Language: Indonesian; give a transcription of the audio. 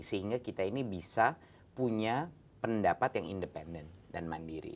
sehingga kita ini bisa punya pendapat yang independen dan mandiri